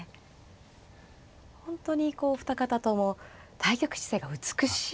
本当にお二方とも対局姿勢が美しいですよね。